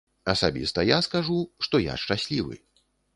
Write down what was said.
Асабіста я скажу, што я шчаслівы.